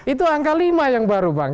itu angka lima yang baru bang